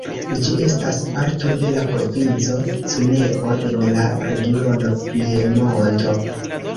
Ĝi estas parto de la provinco Cuneo en la regiono Piemonto.